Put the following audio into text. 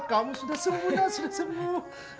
kamu sudah sembuh ya sudah sembuh